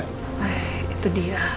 eh itu dia